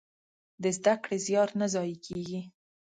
د زده کړې زيار نه ضايع کېږي.